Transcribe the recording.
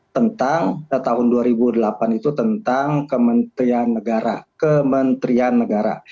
tentang tahun dua ribu delapan itu tentang kementerian negara kementerian negara